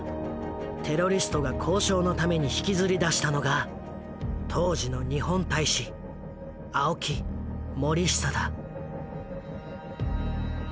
テロリストが交渉のために引きずり出したのが当時の日本大使青木盛久だ。